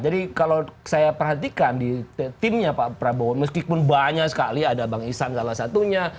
jadi kalau saya perhatikan di timnya pak prabowo meskipun banyak sekali ada bang isan salah satunya